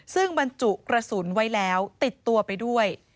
ซึ่งบรรจุกระสุนไว้แล้วติดตัวไปด้วย